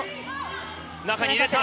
中に入れた。